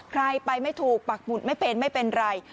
ใครไปไม่ถูกปักหมุดไม่เป็นไม่เป็นไร